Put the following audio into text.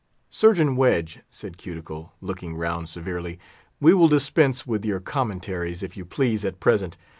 "Surgeon Wedge," said Cuticle, looking round severely, "we will dispense with your commentaries, if you please, at present.